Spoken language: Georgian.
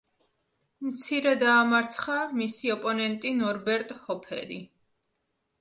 მცირე დაამარცხა მისი ოპონენტი ნორბერტ ჰოფერი.